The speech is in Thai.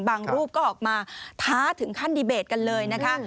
รูปก็ออกมาท้าถึงขั้นดีเบตกันเลยนะคะ